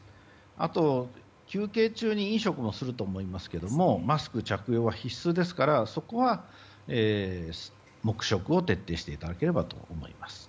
あと、休憩中に飲食もすると思いますがマスク着用は必須ですからそこは、黙食を徹底していただければと思います。